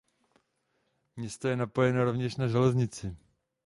Město je napojeno rovněž na železnici.